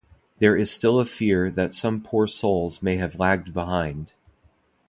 There is still a fear that some poor souls may have lagged behind.